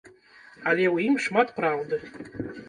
Але ў ім шмат праўды.